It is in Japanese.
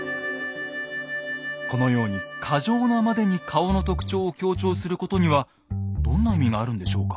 このように過剰なまでに顔の特徴を強調することにはどんな意味があるんでしょうか？